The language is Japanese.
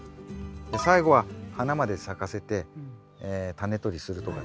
最後は花まで咲かせてタネとりするとかですね